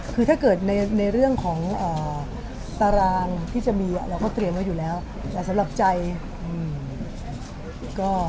คือถ้าเกิดในเรื่องของตารางที่จะมีเราก็เตรียมไว้อยู่แล้วแต่สำหรับใจก็